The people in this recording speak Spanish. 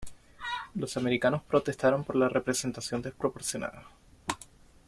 Los americanos protestaron por la representación desproporcionada.